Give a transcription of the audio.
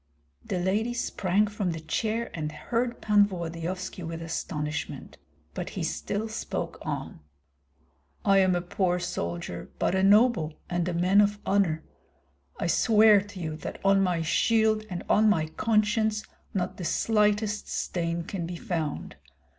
The lady sprang from the chair and heard Pan Volodyovski with astonishment; but he still spoke on: "I am a poor soldier, but a noble, and a man of honor. I swear to you that on my shield and on my conscience not the slightest stain can be found.